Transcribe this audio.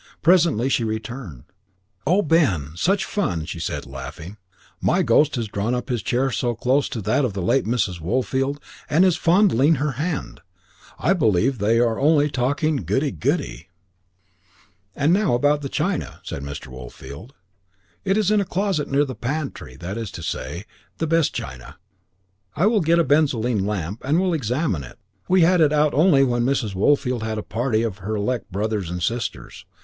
Presently she returned. "Oh, Ben! such fun!" she said, laughing. "My ghost has drawn up his chair close to that of the late Mrs. Woolfield, and is fondling her hand. But I believe that they are only talking goody goody." [Illustration: "I BELIEVE THAT THEY ARE TALKING GOODY GOODY."] "And now about the china," said Mr. Woolfield. "It is in a closet near the pantry that is to say, the best china. I will get a benzoline lamp, and we will examine it. We had it out only when Mrs. Woolfield had a party of her elect brothers and sisters.